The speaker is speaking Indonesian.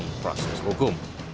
ini proses hukum